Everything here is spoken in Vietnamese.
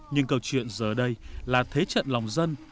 nhưng câu chuyện giờ đây là thế trận lòng dân